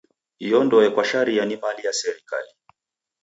Iyo ndoe kwa sharia ni mali ya serikali.